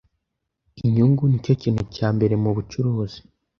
Inyungu nicyo kintu cyambere mubucuruzi